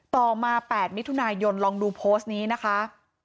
ต่อมา๘มิถุนายนลองดูโพสต์นี้นะคะ